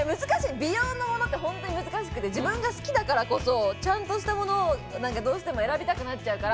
美容のものって本当に難しくて、自分が好きだからこそ、ちゃんとしたものをどうしても選びたくなっちゃうから。